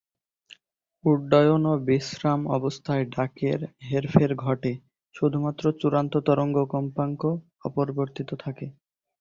উড্ডয়ন ও বিশ্রাম অবস্থায় ডাকের হেরফের ঘটে; শুধুমাত্র চূড়া তরঙ্গ কম্পাঙ্ক অপরিবর্তিত থাকে।